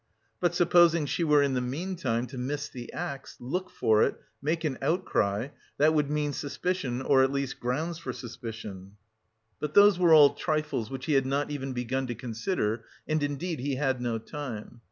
But supposing she were in the meantime to miss the axe, look for it, make an outcry that would mean suspicion or at least grounds for suspicion. But those were all trifles which he had not even begun to consider, and indeed he had no time.